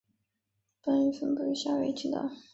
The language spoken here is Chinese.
本鱼分布于夏威夷群岛。